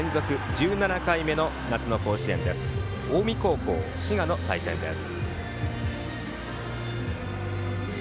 １７回目の夏の甲子園、近江高校滋賀の対戦です。